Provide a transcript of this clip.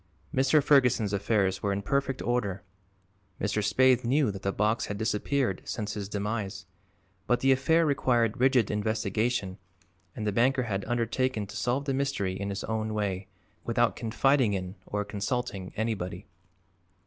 Mr. Ferguson's affairs were in perfect order; Mr. Spaythe knew that the box had disappeared since his demise; but the affair required rigid investigation and the banker had undertaken to solve the mystery in his own way, without confiding in or consulting anybody.